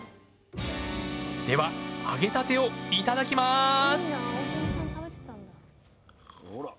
では揚げたてをいただきます！